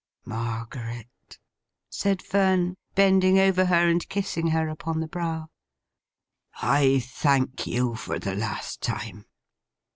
'Margaret,' said Fern, bending over her, and kissing her upon the brow: 'I thank you for the last time.